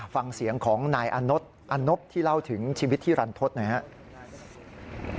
ฟังเสียงของนายนบที่เล่าถึงชีวิตที่รันทศหน่อยครับ